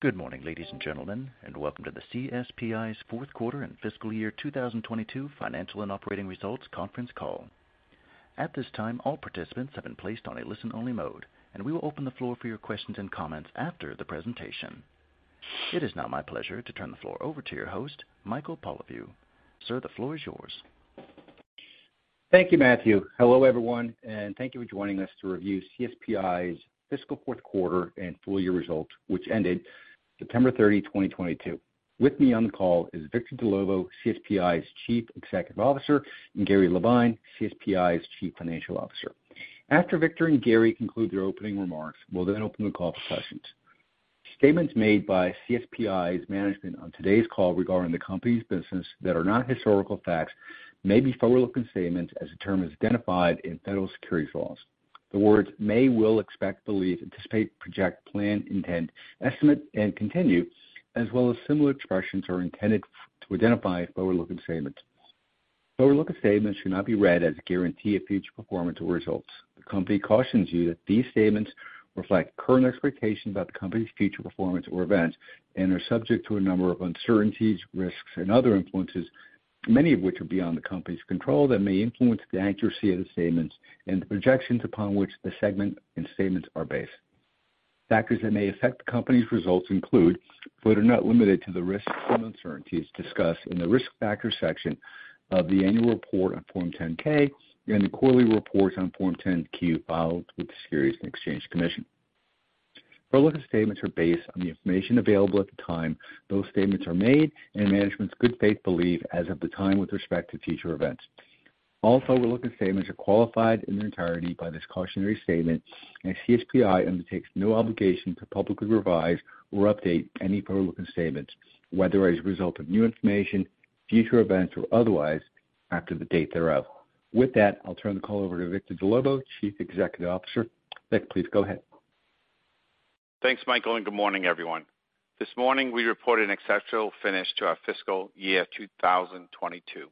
Good morning, ladies and gentlemen. Welcome to the CSPi's Fourth Quarter and Fiscal Year 2022 Financial and Operating Results Conference Call. At this time, all participants have been placed on a listen-only mode, and we will open the floor for your questions and comments after the presentation. It is now my pleasure to turn the floor over to your host, Michael Polyviou. Sir, the floor is yours. Thank you, Matthew. Hello, everyone, and thank you for joining us to review CSPi's fiscal fourth quarter and full year results, which ended September 30, 2022. With me on the call is Victor Dellovo, CSPi's Chief Executive Officer, and Gary Levine, CSPi's Chief Financial Officer. After Victor and Gary conclude their opening remarks, we'll then open the call for questions. Statements made by CSPi's management on today's call regarding the company's business that are not historical facts may be forward-looking statements as the term is identified in federal securities laws. The words may, will, expect, believe, anticipate, project, plan, intent, estimate, and continue, as well as similar expressions, are intended to identify forward-looking statements. Forward-looking statements should not be read as a guarantee of future performance or results. The company cautions you that these statements reflect current expectations about the company's future performance or events and are subject to a number of uncertainties, risks, and other influences, many of which are beyond the company's control that may influence the accuracy of the statements and the projections upon which the segment and statements are based. Factors that may affect the company's results include, but are not limited to, the risks and uncertainties discussed in the Risk Factors section of the annual report on Form 10-K and the quarterly report on Form 10-Q filed with the Securities and Exchange Commission. Forward-looking statements are based on the information available at the time those statements are made and management's good faith belief as of the time with respect to future events. All forward-looking statements are qualified in their entirety by this cautionary statement. CSPi undertakes no obligation to publicly revise or update any forward-looking statements, whether as a result of new information, future events, or otherwise after the date thereof. With that, I'll turn the call over to Victor Dellovo, Chief Executive Officer. Vic, please go ahead. Thanks, Michael. Good morning, everyone. This morning, we report an exceptional finish to our fiscal year 2022.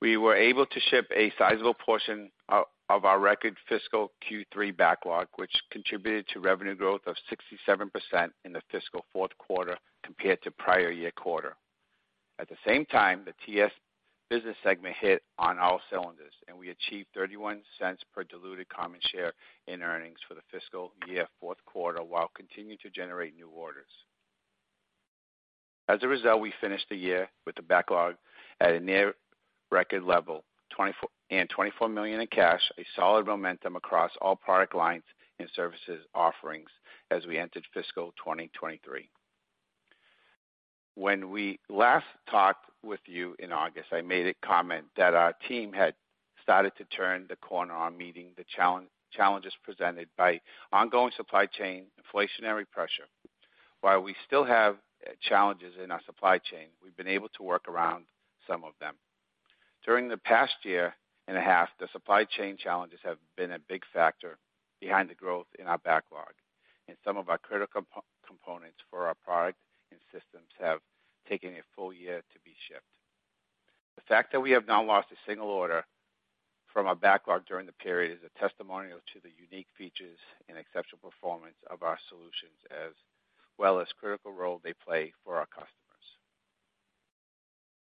We were able to ship a sizable portion of our record fiscal Q3 backlog, which contributed to revenue growth of 67% in the fiscal fourth quarter compared to prior-year quarter. At the same time, the TS business segment hit on all cylinders. We achieved $0.31 per diluted common share in earnings for the fiscal year fourth quarter while continuing to generate new orders. As a result, we finished the year with the backlog at a near-record level, $24 million in cash, a solid momentum across all product lines and services offerings as we entered fiscal 2023. When we last talked with you in August, I made a comment that our team had started to turn the corner on meeting the challenges presented by ongoing supply chain inflationary pressure. While we still have challenges in our supply chain, we've been able to work around some of them. During the past year and a half, the supply chain challenges have been a big factor behind the growth in our backlog. Some of our critical components for our product and systems have taken one full year to be shipped. The fact that we have not lost one single order from our backlog during the period is a testimonial to the unique features and exceptional performance of our solutions, as well as critical role they play for our customers.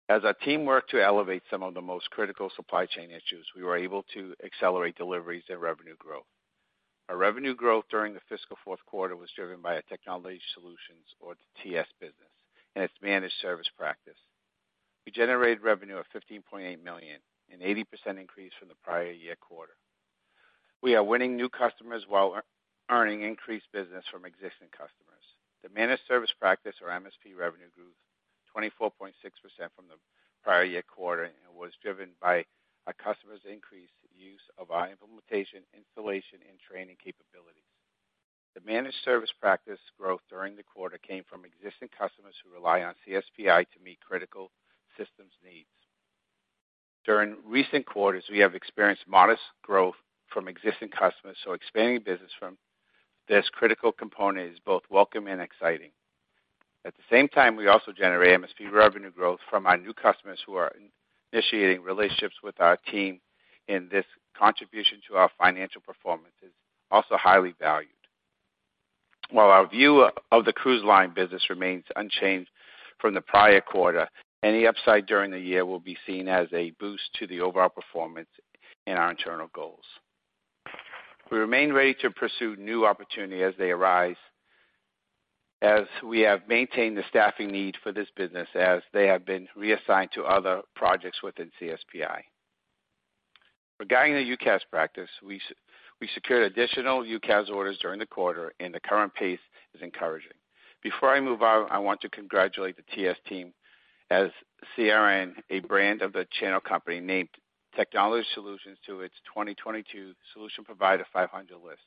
As our team worked to elevate some of the most critical supply chain issues, we were able to accelerate deliveries and revenue growth. Our revenue growth during the fiscal fourth quarter was driven by our TS business and its managed service practice. We generated revenue of $15.8 million, an 80% increase from the prior year quarter. We are winning new customers while earning increased business from existing customers. The managed service practice, or MSP revenue, grew 24.6% from the prior year quarter and was driven by our customers' increased use of our implementation, installation, and training capabilities. The managed service practice growth during the quarter came from existing customers who rely on CSPi to meet critical systems needs. During recent quarters, we have experienced modest growth from existing customers, so expanding business from this critical component is both welcome and exciting. At the same time, we also generated MSP revenue growth from our new customers who are initiating relationships with our team. This contribution to our financial performance is also highly valued. While our view of the cruise line business remains unchanged from the prior quarter, any upside during the year will be seen as a boost to the overall performance and our internal goals. We remain ready to pursue new opportunities as they arise as we have maintained the staffing need for this business as they have been reassigned to other projects within CSPi. Regarding the UCAS practice, we secured additional UCAS orders during the quarter. The current pace is encouraging. Before I move on, I want to congratulate the TS team as CRN, a brand of The Channel Company, named Technology Solutions to its 2022 Solution Provider 500 list.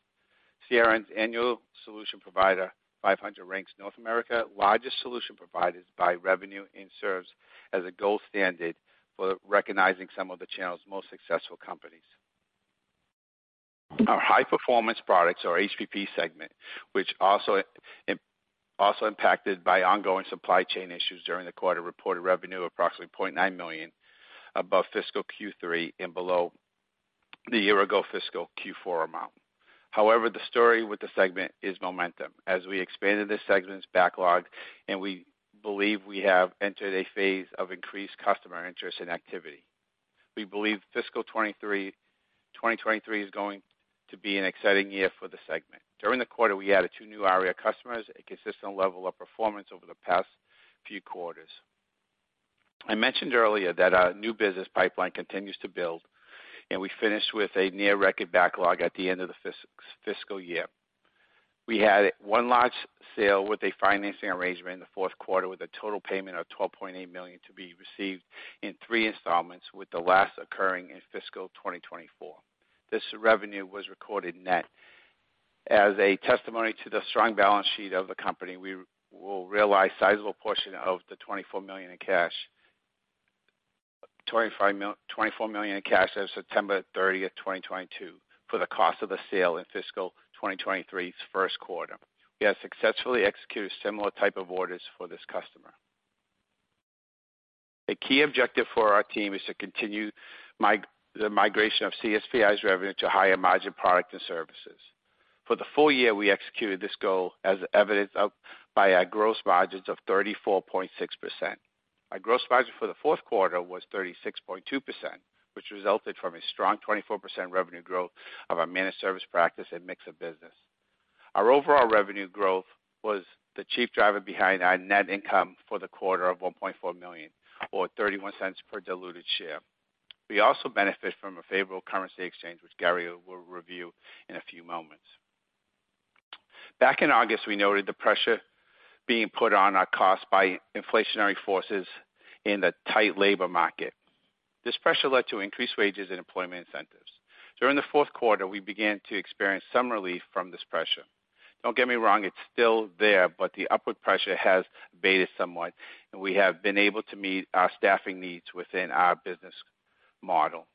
CRN's annual Solution Provider 500 ranks North America's largest solution providers by revenue and serves as a gold standard for recognizing some of the channel's most successful companies. Our high-performance products or HPP segment, which also impacted by ongoing supply chain issues during the quarter reported revenue of approximately $0.9 million above fiscal Q3 and below the year-ago fiscal Q4 amount. However, the story with the segment is momentum as we expanded this segment's backlog, and we believe we have entered a phase of increased customer interest and activity. We believe fiscal 2023 is going to be an exciting year for the segment. During the quarter, we added two new ARIA customers, a consistent level of performance over the past few quarters. I mentioned earlier that our new business pipeline continues to build, and we finished with a near-record backlog at the end of the fiscal year. We had one large sale with a financing arrangement in the fourth quarter with a total payment of $12.8 million to be received in three installments, with the last occurring in fiscal 2024. This revenue was recorded net. As a testimony to the strong balance sheet of the company, we will realize a sizable portion of the $24 million in cash as of September 30, 2022, for the cost of the sale in fiscal 2023's first quarter. We have successfully executed similar types of orders for this customer. A key objective for our team is to continue the migration of CSPi's revenue to higher-margin products and services. For the full year, we executed this goal as evidenced by our gross margins of 34.6%. Our gross margin for the fourth quarter was 36.2%, which resulted from a strong 24% revenue growth of our managed service practice and mix of business. Our overall revenue growth was the chief driver behind our net income for the quarter of $1.4 million or $0.31 per diluted share. We also benefit from a favorable currency exchange, which Gary will review in a few moments. Back in August, we noted the pressure being put on our costs by inflationary forces in the tight labor market. This pressure led to increased wages and employment incentives. During the fourth quarter, we began to experience some relief from this pressure. Don't get me wrong, it's still there, but the upward pressure has abated somewhat, and we have been able to meet our staffing needs within our business model.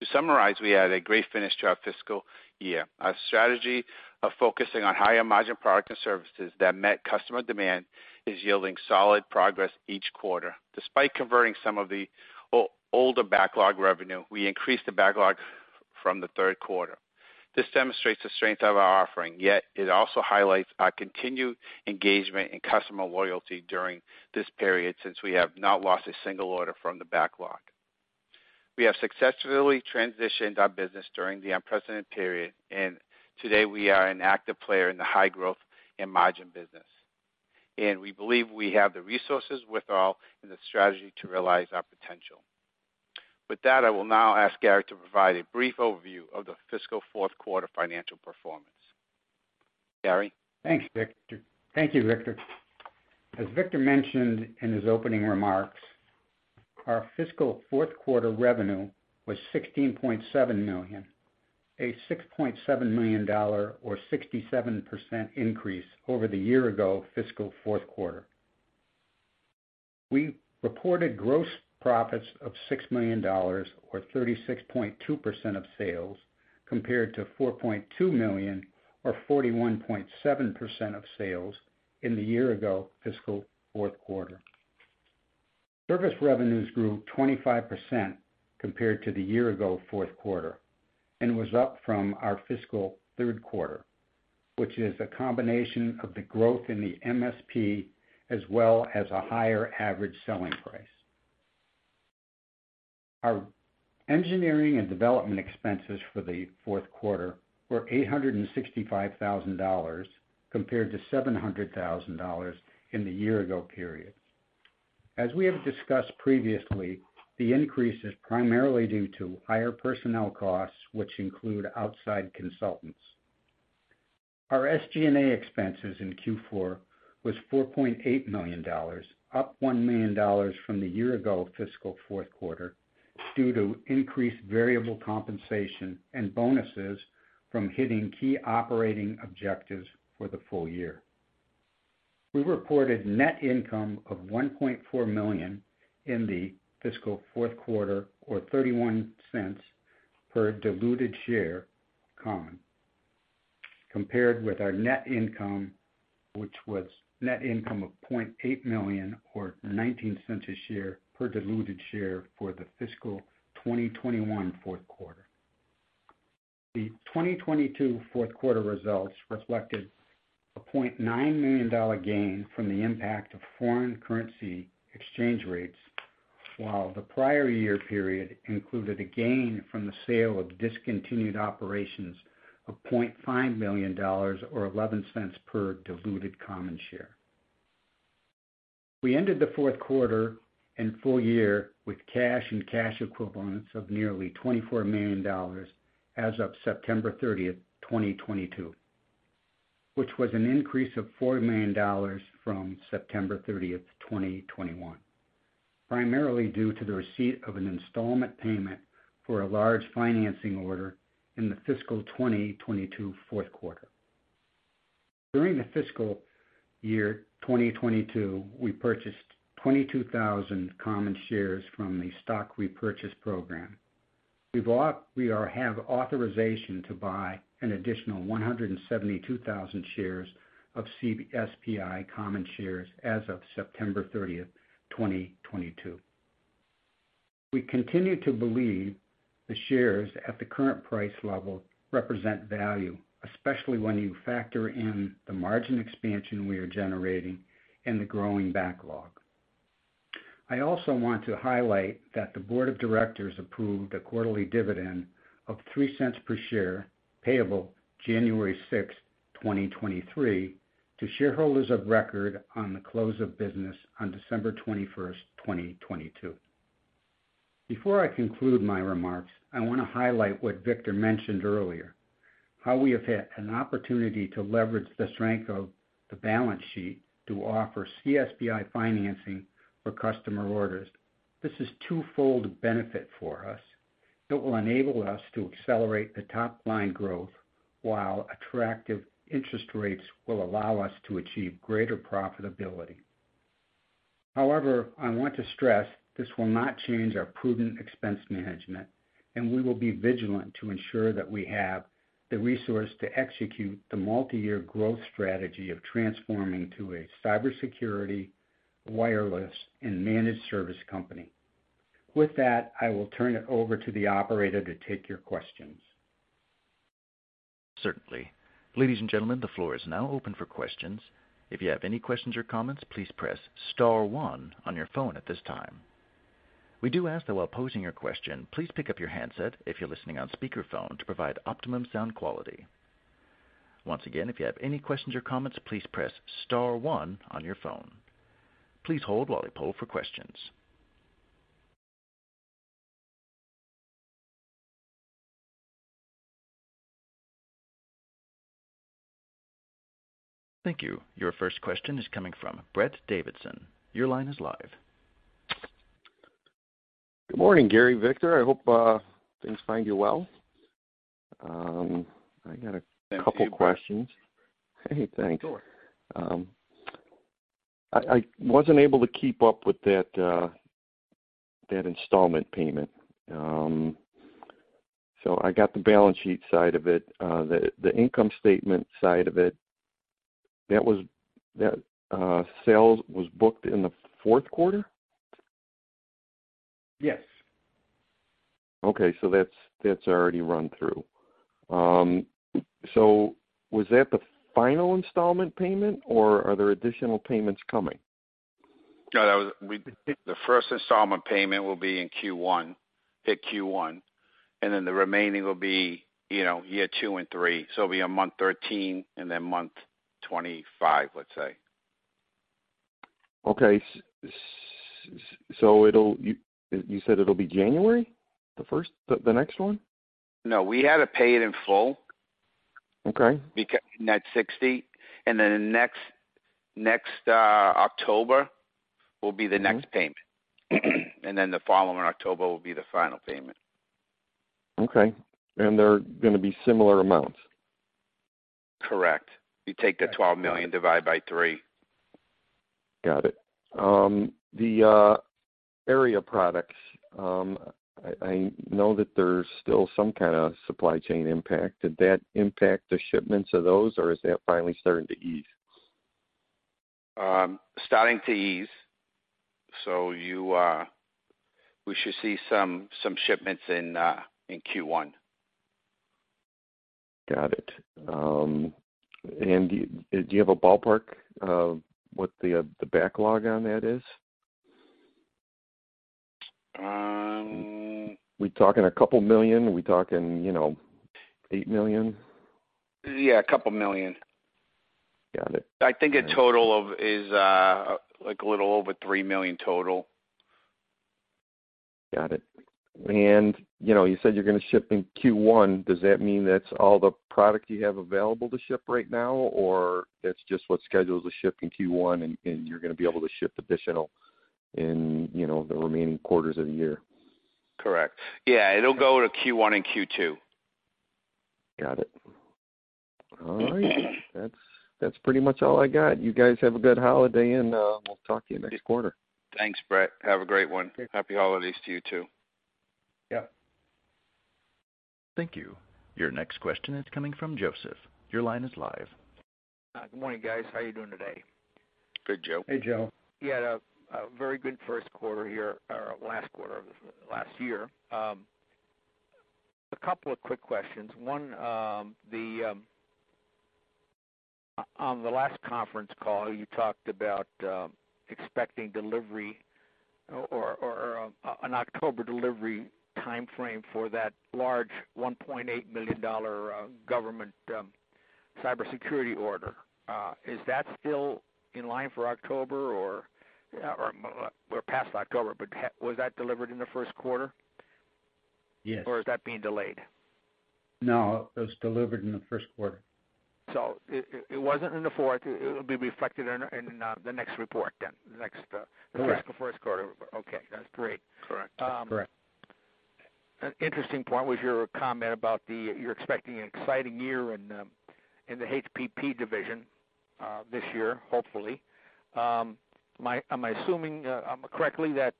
To summarize, we had a great finish to our fiscal year. Our strategy of focusing on higher-margin products and services that met customer demand is yielding solid progress each quarter. Despite converting some of the older backlog revenue, we increased the backlog from the third quarter. This demonstrates the strength of our offering, yet it also highlights our continued engagement and customer loyalty during this period since we have not lost a single order from the backlog. We have successfully transitioned our business during the unprecedented period, and today we are an active player in the high growth and margin business, and we believe we have the resources with all in the strategy to realize our potential. With that, I will now ask Gary to provide a brief overview of the fiscal fourth quarter financial performance. Gary? Thanks, Victor. Thank you, Victor. As Victor mentioned in his opening remarks, our fiscal fourth quarter revenue was $16.7 million, a $6.7 million or 67% increase over the year-ago fiscal fourth quarter. We reported gross profits of $6 million, or 36.2% of sales, compared to $4.2 million or 41.7% of sales in the year-ago fiscal fourth quarter. Service revenues grew 25% compared to the year-ago fourth quarter and was up from our fiscal third quarter, which is a combination of the growth in the MSP as well as a higher average selling price. Our engineering and development expenses for the fourth quarter were $865,000, compared to $700,000 in the year-ago period. As we have discussed previously, the increase is primarily due to higher personnel costs, which include outside consultants. Our SG&A expenses in Q4 was $4.8 million, up $1 million from the year-ago fiscal fourth quarter due to increased variable compensation and bonuses from hitting key operating objectives for the full year. We reported net income of $1.4 million in the fiscal fourth quarter or $0.31 per diluted share common, compared with our net income, which was net income of $0.8 million or $0.19 a share per diluted share for the fiscal 2021 fourth quarter. The 2022 fourth quarter results reflected a $0.9 million gain from the impact of foreign currency exchange rates, while the prior year period included a gain from the sale of discontinued operations of $0.5 million or $0.11 per diluted common share. We ended the fourth quarter and full year with cash and cash equivalents of nearly $24 million as of September 30, 2022, which was an increase of $4 million from September 30, 2021, primarily due to the receipt of an installment payment for a large financing order in the fiscal 2022 fourth quarter. During the fiscal year 2022, we purchased 22,000 common shares from the stock repurchase program. We have authorization to buy an additional 172,000 shares of CSPi common shares as of September 30, 2022. We continue to believe the shares at the current price level represent value, especially when you factor in the margin expansion we are generating and the growing backlog. I also want to highlight that the board of directors approved a quarterly dividend of $0.03 per share, payable January 6th, 2023 to shareholders of record on the close of business on December 21st, 2022. Before I conclude my remarks, I want to highlight what Victor mentioned earlier, how we have had an opportunity to leverage the strength of the balance sheet to offer CSPi financing for customer orders. This is twofold benefit for us that will enable us to accelerate the top-line growth while attractive interest rates will allow us to achieve greater profitability. I want to stress this will not change our prudent expense management, and we will be vigilant to ensure that we have the resource to execute the multiyear growth strategy of transforming to a cybersecurity, wireless, and managed service company. With that, I will turn it over to the operator to take your questions. Certainly. Ladies and gentlemen, the floor is now open for questions. If you have any questions or comments, please press star one on your phone at this time. We do ask that while posing your question, please pick up your handset if you're listening on speaker phone to provide optimum sound quality. Once again, if you have any questions or comments, please press star one on your phone. Please hold while we poll for questions. Thank you. Your first question is coming from Brett Davidson. Your line is live. Good morning, Gary, Victor. I hope things find you well. I got a couple questions. Thank you. Hey, thanks. Sure. I wasn't able to keep up with that installment payment. I got the balance sheet side of it. The income statement side of it, that sales was booked in the fourth quarter? Yes. Okay. That's already run through. Was that the final installment payment, or are there additional payments coming? No, that was. The first installment payment will be in Q1, hit Q1, and then the remaining will be, you know, year two and three. It'll be on month 13 and then month 25, let's say. Okay. You said it'll be January, the first, the next one? No, we had to pay it in full. Okay. Because net 60. Then the next October will be the next payment. Then the following October will be the final payment. Okay. they're gonna be similar amounts? Correct. You take the $12 million, divide by 3. Got it. The ARIA products, I know that there's still some kind of supply chain impact. Did that impact the shipments of those, or is that finally starting to ease? Starting to ease. We should see some shipments in Q1. Got it. Do you have a ballpark of what the backlog on that is? Um- We talking a couple million dollars? We talking, you know, $8 million? Yeah, a couple million dollars. Got it. I think a total of is, like, a little over $3 million total. Got it. You know, you said you're gonna ship in Q1. Does that mean that's all the product you have available to ship right now, or that's just what schedules the ship in Q1, and you're gonna be able to ship additional in, you know, the remaining quarters of the year? Correct. Yeah. It'll go to Q1 and Q2. Got it. All right. That's pretty much all I got. You guys have a good holiday, and we'll talk to you next quarter. Thanks, Brett. Have a great one. Okay. Happy holidays to you too. Yeah. Thank you. Your next question is coming from Joseph. Your line is live. Good morning, guys. How are you doing today? Good, Joe. Hey, Joe. You had a very good first quarter here, or last quarter of last year. A couple of quick questions. One, on the last conference call, you talked about expecting delivery or an October delivery timeframe for that large $1.8 million government cybersecurity order. Is that still in line for October or past October? Was that delivered in the first quarter? Yes. Is that being delayed? No, it was delivered in the first quarter. It wasn't in the fourth. It will be reflected in the next report then. The next. Correct. The fiscal first quarter. Okay, that's great. Correct. Correct. An interesting point was your comment about the... you're expecting an exciting year in the HPP division this year, hopefully. Am I assuming correctly that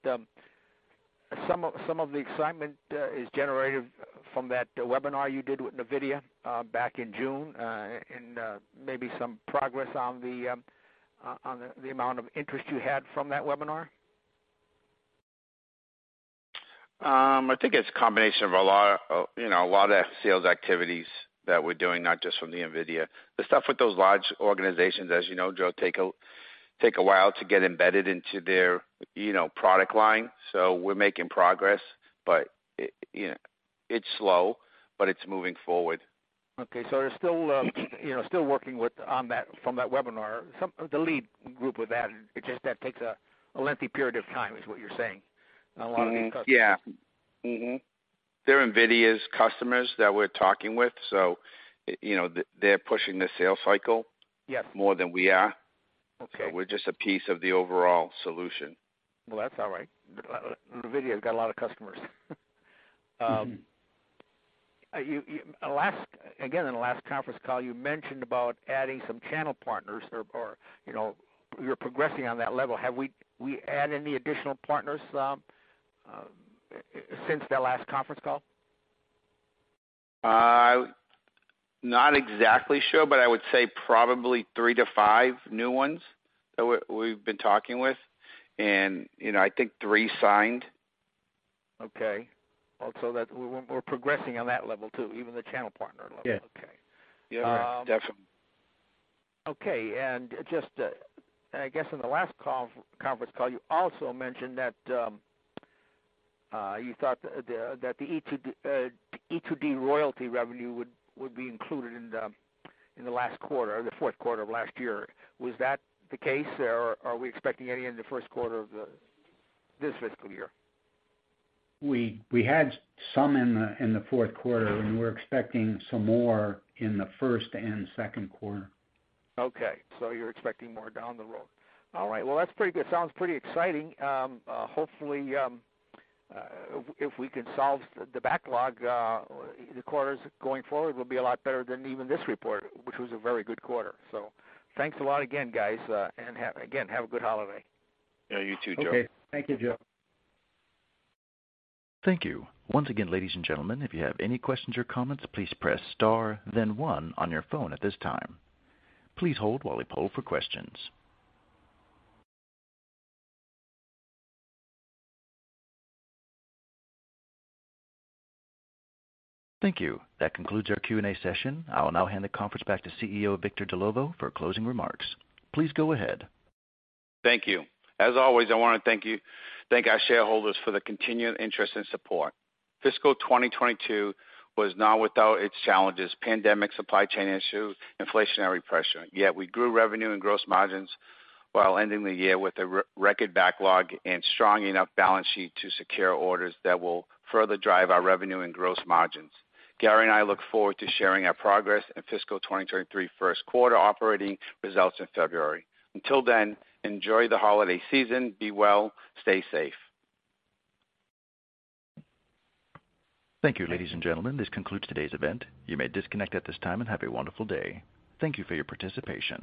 some of the excitement is generated from that webinar you did with NVIDIA back in June, and maybe some progress on the amount of interest you had from that webinar? I think it's a combination of a lot of, you know, a lot of sales activities that we're doing, not just from the NVIDIA. The stuff with those large organizations, as you know, Joe, take a while to get embedded into their, you know, product line. We're making progress, but you know it's slow, but it's moving forward. Okay. you're still, you know, still working with on that from that webinar, the lead group with that. It's just that takes a lengthy period of time, is what you're saying. A lot of these customers. Yeah. Mm-hmm. They're NVIDIA's customers that we're talking with, you know, they're pushing the sales. Yes. more than we are. Okay. We're just a piece of the overall solution. That's all right. NVIDIA's got a lot of customers. Again, in the last conference call, you mentioned about adding some channel partners or, you know, you're progressing on that level. Have we had additional partners since that last conference call? not exactly sure, but I would say probably three to five new ones that we've been talking with. you know, I think three signed. Okay. That we're progressing on that level, too, even the channel partner level. Yeah. Okay. Yeah. Definitely. Okay. Just, I guess in the last conference call, you also mentioned that you thought that the E to D royalty revenue would be included in the last quarter or the fourth quarter of last year. Was that the case or are we expecting any in the first quarter of this fiscal year? We had some in the fourth quarter. We're expecting some more in the first and second quarter. Okay. You're expecting more down the road. All right. That's pretty good. Sounds pretty exciting. Hopefully, if we can solve the backlog, the quarters going forward will be a lot better than even this report, which was a very good quarter. Thanks a lot again, guys. Again, have a good holiday. Yeah, you too, Joe. Okay. Thank you, Joe. Thank you. Once again, ladies and gentlemen, if you have any questions or comments, please press star then one on your phone at this time. Please hold while we poll for questions. Thank you. That concludes our Q&A session. I will now hand the conference back to CEO Victor Dellovo for closing remarks. Please go ahead. Thank you. As always, I wanna thank our shareholders for the continued interest and support. Fiscal 2022 was not without its challenges, pandemic supply chain issues, inflationary pressure, yet we grew revenue and gross margins while ending the year with a record backlog and strong enough balance sheet to secure orders that will further drive our revenue and gross margins. Gary and I look forward to sharing our progress in fiscal 2023 first quarter operating results in February. Until then, enjoy the holiday season. Be well, stay safe. Thank you, ladies and gentlemen. This concludes today's event. You may disconnect at this time and have a wonderful day. Thank you for your participation.